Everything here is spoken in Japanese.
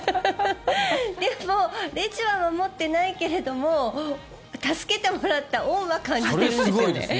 でもレジは守ってないけれども助けてもらった恩は感じてるんですね。